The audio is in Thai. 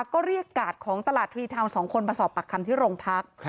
ก็เรียกกาดของตลาดทรีทาวน์๒คนมาสอบปากคำที่โรงพัก